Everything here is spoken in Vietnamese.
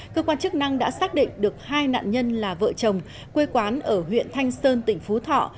cơ quan chức năng đã xác định được hai nạn nhân là vợ chồng quê quán ở huyện thanh sơn tỉnh phú thọ